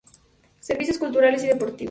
Servicios culturales y deportivos.